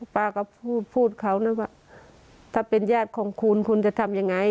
ป้าก็พูดพูดเขานะว่าถ้าเป็นญาติของคุณคุณจะทำยังไง